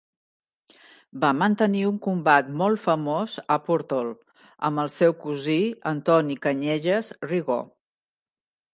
Va mantenir un combat molt famós a Pòrtol amb el seu cosí Antoni Canyelles Rigo.